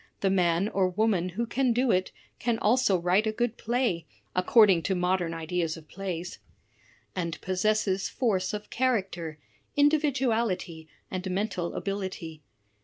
The man or woman who can do it can also write a good play (according to modern ideas of plays), and pos sesses force of character, individuality, and mental ability.